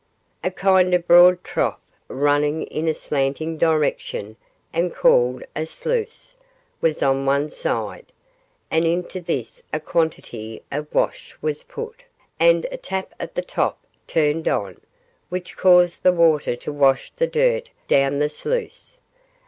A kind of broad trough, running in a slanting direction and called a sluice, was on one side, and into this a quantity of wash was put, and a tap at the top turned on, which caused the water to wash the dirt down the sluice.